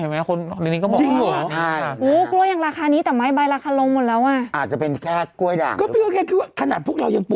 มันมีจริงใช่ไหมมันยังราคานั้นก็จริงเหรอ